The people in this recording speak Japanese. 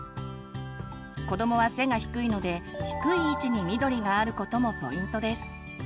子どもは背が低いので低い位置に緑があることもポイントです。